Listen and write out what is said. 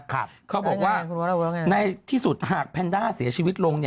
เขาบอกว่าในที่สุดหากแพนด้าเสียชีวิตลง